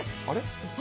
あれ？